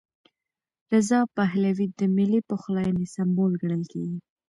رضا پهلوي د ملي پخلاینې سمبول ګڼل کېږي.